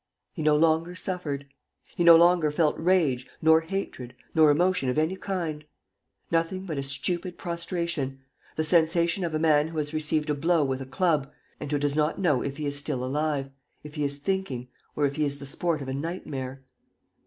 He no longer suffered. He no longer felt rage nor hatred nor emotion of any kind ... nothing but a stupid prostration, the sensation of a man who has received a blow with a club and who does not know if he is still alive, if he is thinking, or if he is the sport of a nightmare.